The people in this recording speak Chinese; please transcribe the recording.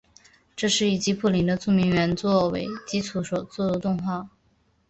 这是以吉卜林的著名原作为基础所做的动画。